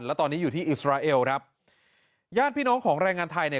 แล้วตอนนี้อยู่ที่อิสราเอลครับญาติพี่น้องของแรงงานไทยเนี่ย